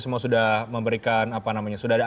semua sudah memberikan apa namanya sudah ada